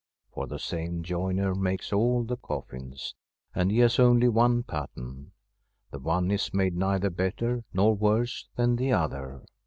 For the same joiner makes all the coffins, and he has only one pattern; the one is made neither better nor worse than the other.